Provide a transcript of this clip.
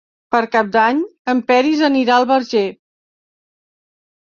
Per Cap d'Any en Peris anirà al Verger.